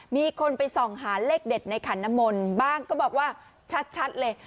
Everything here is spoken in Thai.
มีคนไปส่องหาเลขเด็ดในขันน้ำมนต์บ้างก็บอกว่าชัดเลย